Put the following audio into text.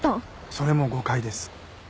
それも誤解です。